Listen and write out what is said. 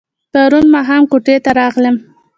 پرون ماښام کوټې ته راغلم.